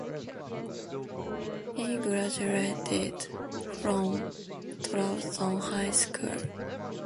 He graduated from Trabzon High School.